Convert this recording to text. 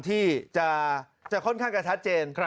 ที่จะค่อนข้างจะชัดเจน